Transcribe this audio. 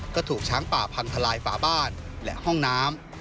ก็ถูกช้างป่าพังทลายฝาบ้านและห้องน้ำ